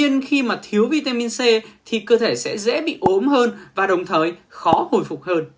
tuy nhiên khi mà thiếu vitamin c thì cơ thể sẽ dễ bị ốm hơn và đồng thời khó hồi phục hơn